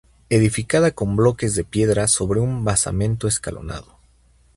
Edificada con bloques de piedra sobre un basamento escalonado.